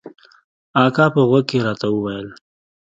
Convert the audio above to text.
اکا په غوږ کښې راته وويل.